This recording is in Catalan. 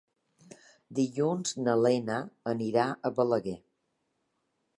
Dilluns na Lena anirà a Balaguer.